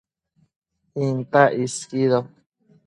Intac isquido